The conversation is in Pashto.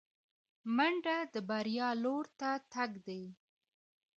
منډه د بریا لور ته تګ دی